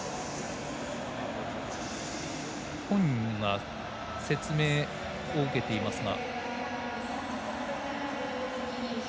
本人が説明を受けていますが。